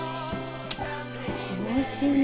おいしいな。